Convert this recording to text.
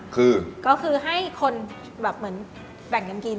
คือก็คือให้คนแบบเหมือนแบ่งกันกิน